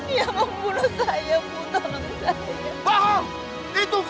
dia membunuh saya bu tolong saya